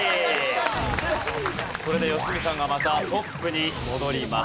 これで良純さんがまたトップに戻ります。